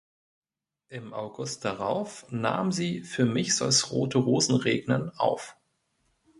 Im August darauf nahm sie "Für mich soll’s rote Rosen regnen" auf.